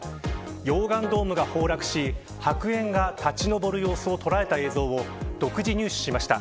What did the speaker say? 溶岩ドームが崩落し、白煙が立ち上る様子を捉えた映像を独自入手しました。